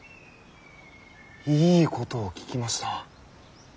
いいことを聞きました。